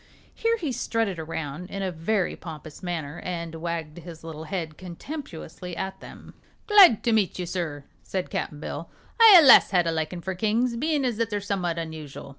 Here he strutted around in a very pompous manner and wagged his little head contemptuously at them. "Glad to meet you, sir," said Cap'n Bill. "I allus had a likin' for kings, bein' as they're summat unusual.